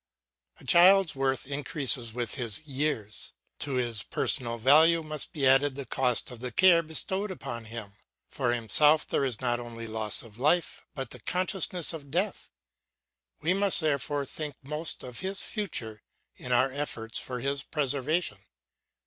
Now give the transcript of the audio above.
A child's worth increases with his years. To his personal value must be added the cost of the care bestowed upon him. For himself there is not only loss of life, but the consciousness of death. We must therefore think most of his future in our efforts for his preservation.